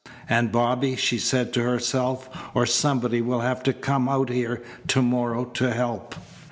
"And Bobby," she said to herself, "or somebody will have to come out here to morrow to help."